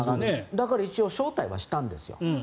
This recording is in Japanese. だから一応招待はしたんですよ。